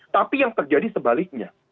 tapi yang terjadi sebaliknya